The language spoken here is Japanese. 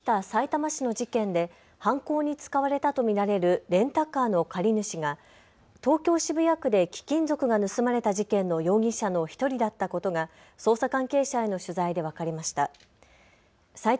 一方、今月起きたさいたま市の事件で犯行に使われたと見られるレンタカーの借り主が東京渋谷区で貴金属が盗まれた事件の容疑者の１人だったことが捜査関係者への取材で分かりました。